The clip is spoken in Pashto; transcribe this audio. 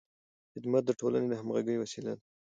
خدمت د ټولنې د همغږۍ وسیله ده.